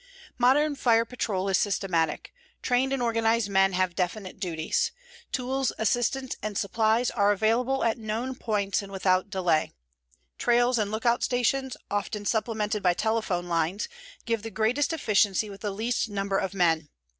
Modern fire patrol is systematic. Trained and organized men have definite duties. Tools, assistance and supplies are available at known points and without delay. Trails and look out stations, often supplemented by telephone lines, give the greatest efficiency with the least number of men.